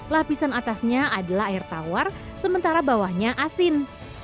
lapisan atasnya adalah air tawar sementara bawahnya asin